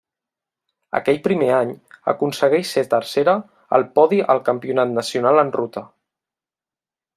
Aquell primer any, aconsegueix ser tercera al podi al Campionat nacional en ruta.